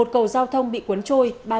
một cầu giao thông bị cuốn trôi